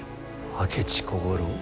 明智小五郎？